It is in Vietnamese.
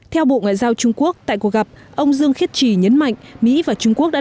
theo bộ ngoại giao trung quốc tại cuộc gặp ông dương khiết trì nhấn mạnh mỹ và trung quốc đã